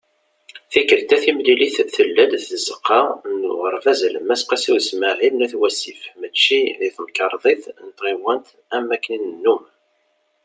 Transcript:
Tikelt-a, timlilit tella-d deg Tzeqqa n Uɣerbaz Alemmas "Qasi Usmaɛil" n At Wasif mačči deg Temkarḍit n Tɣiwant am wakken i nennum.